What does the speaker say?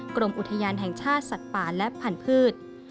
กรมอุทยานแห่งชาติสัตว์ป่าและพันธุ์